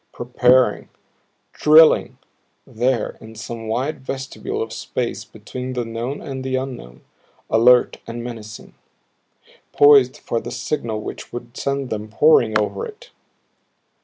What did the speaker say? Preparing, DRILLING there in some wide vestibule of space between the known and the unknown, alert and menacing poised for the signal which would send them pouring over it.